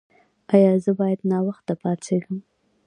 ایا زه باید ناوخته پاڅیږم؟